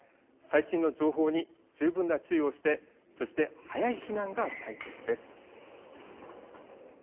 最新の情報に十分な注意をしてそして早い避難が大切です。